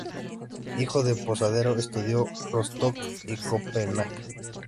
Hijo de un posadero, estudió en Rostock y Copenhague.